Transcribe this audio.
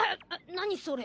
何それ。